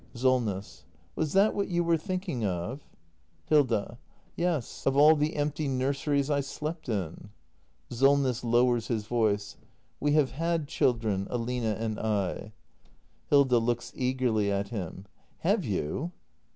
Solness. Was that what you were thinking of? Hilda. Yes, of all the empty nurseries I slept in. Solness. [Lowers his voice.] We have had children — Aline and I. Hilda. [Looks eagerly at him.] Have you